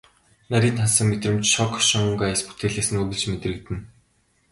Нарийн тансаг мэдрэмж, шог хошин өнгө аяс бүтээлээс нь үргэлж мэдрэгдэнэ.